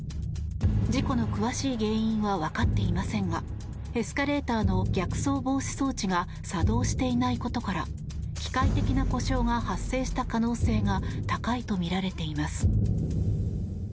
事故の詳しい原因はわかっていませんがエスカレーターの逆走防止装置が作動していないことから機械的な故障が発生した可能性が高いとみられています。